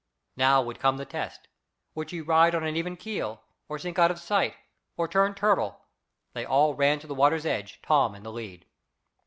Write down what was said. Now would come the test. Would she ride on an even keel, or sink out of sight, or turn turtle? They all ran to the water's edge, Tom in the lead.